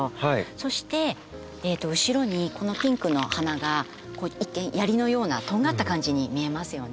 そして後ろにこのピンクの花が一見槍のようなとんがった感じに見えますよね。